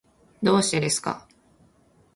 どうしてですか。